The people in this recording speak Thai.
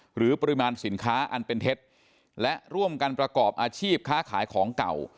หรือปริมาณสินค้าอันเป็นเท็จและร่วมกันประกอบอาชีพค้าขายของเก่า